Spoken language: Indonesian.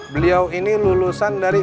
beliau ini lulusan dari